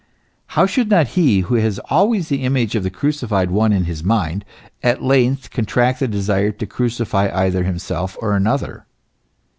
How should not he who has always the image of the crucified one in his mind, at length contract the desire to crucify either himself or another